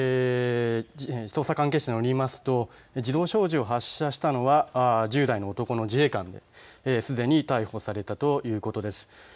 捜査関係者によりますと自動小銃を発射したのは１０代の男の自衛官ですでに逮捕されたということです。